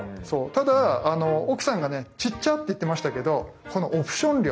ただ奥さんがね「ちっちゃっ！」って言ってましたけどこのオプション料ね